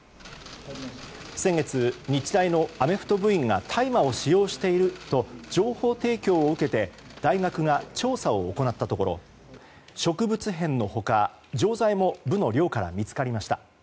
先月、日大のアメフト部員が大麻を使用していると情報提供を受けて大学が調査を行ったところ植物片の他錠剤も部の寮から見つかりました。